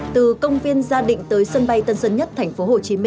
từ công viên gia định tới sân bay tân sơn nhất tp hcm